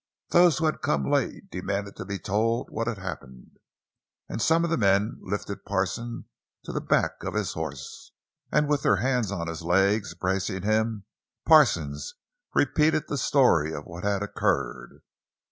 Those who had come late demanded to be told what had happened; and some men lifted Parsons to the back of his horse, and with their hands on his legs, bracing him, Parsons repeated the story of what had occurred.